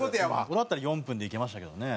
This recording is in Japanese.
俺だったら４分でいけましたけどね。